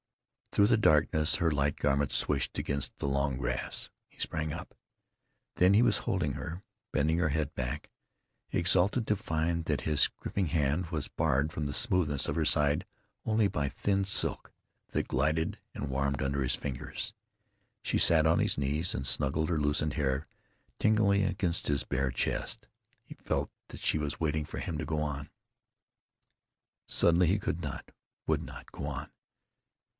Through the darkness her light garment swished against the long grass. He sprang up. Then he was holding her, bending her head back. He exulted to find that his gripping hand was barred from the smoothness of her side only by thin silk that glided and warmed under his fingers. She sat on his knees and snuggled her loosened hair tinglingly against his bare chest. He felt that she was waiting for him to go on. Suddenly he could not, would not, go on.